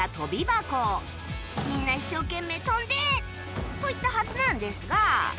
みんな一生懸命跳んで！といったはずなんですが